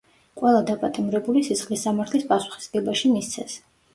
ყველა დაპატიმრებული სისხლის სამართლის პასუხისგებაში მისცეს.